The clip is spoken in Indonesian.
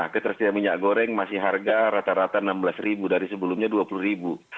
ketersediaan minyak goreng masih harga rata rata enam belas ribu dari sebelumnya dua puluh ribu